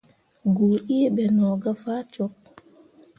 Goo ǝǝ ɓe no gah faa cok.